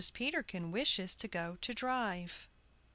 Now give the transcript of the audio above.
PETERKIN WISHES TO GO TO DRIVE.